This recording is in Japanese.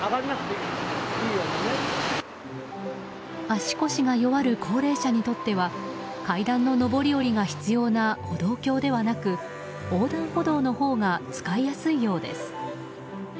足腰が弱る高齢者にとっては階段の上り下りが必要な歩道橋ではなく横断歩道のほうが使いやすいようです。